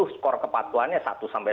skor kepatuannya satu sampai sepuluh